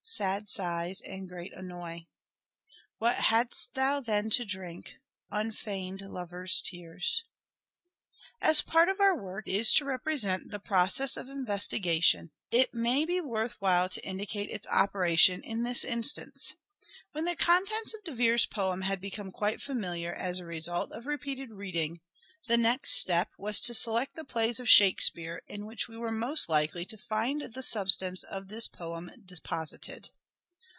Sad sighs and great annoy. What hadst thou then to drink ? Unfeigned lovers' tears. LYRIC POETRY OF EDWARD DE VERE 181 As part of our work is to represent the process of investigation, it may be worth while to indicate its operation in this instance. When the contents of De Vere's poem had become quite familiar as a result of repeated reading, the next step was to select the plays of " Shakespeare " in which we were most likely to find the substance of this poem deposited.